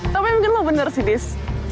tapi mungkin lo bener sih dis